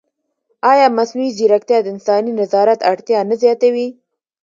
ایا مصنوعي ځیرکتیا د انساني نظارت اړتیا نه زیاتوي؟